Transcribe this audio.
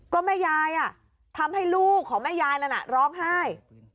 ก็แม่ยายทำให้ลูกของแม่ยายนั้นร้องไห้